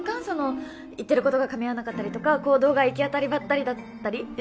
その言ってることが噛み合わなかったりとか行動が行き当たりばったりだったり？